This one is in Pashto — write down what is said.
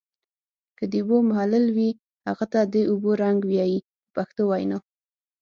که د اوبو محلل وي هغه ته د اوبو رنګ وایي په پښتو وینا.